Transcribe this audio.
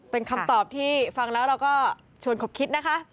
เป็นคำตอบที่ฟังแล้วเราก็ชวนขบคิดนะคะ